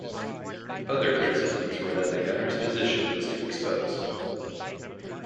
Other criticisms were that the gunner's position was too exposed.